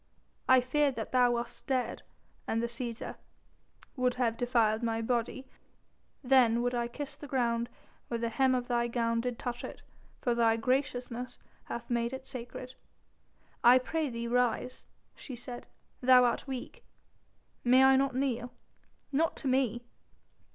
"I feared that thou wast dead, and the Cæsar...." "Would have defiled my body. Then would I kiss the ground where the hem of thy gown did touch it, for thy graciousness hath made it sacred." "I pray thee rise," she said, "thou art weak." "May I not kneel?" "Not to me."